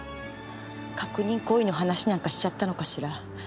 確認行為の話なんかしちゃったのかしら。